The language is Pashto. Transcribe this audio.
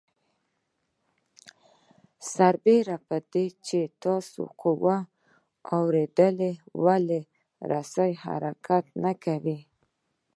سربېره پر دې چې تاسو قوه واردوئ ولې رسۍ حرکت نه کوي؟